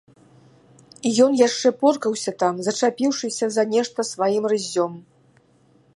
Ён яшчэ поркаўся там, зачапіўшыся за нешта сваім рыззём.